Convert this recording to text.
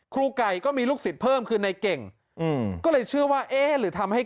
ครูไก่ก็มีลูกศิษย์เพิ่มคือในเก่งอืมก็เลยเชื่อว่าเอ๊ะหรือทำให้